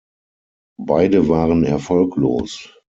Beide waren erfolglos.